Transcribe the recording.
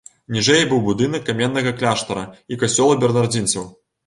Ніжэй быў будынак каменнага кляштара і касцёла бернардзінцаў.